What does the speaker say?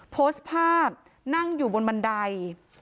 โพสต์ภาพนั่งอยู่บนบันได